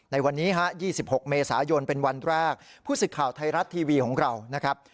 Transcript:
ในวันนี้ฮะ๒๖เมษายนเป็นวันแรกผู้สิทธิ์ข่าวไทยรัฐทีวีของเรานะครับ